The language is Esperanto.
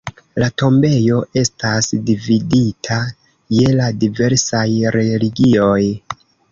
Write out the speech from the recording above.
La tombejo estas dividita je la diversaj religioj.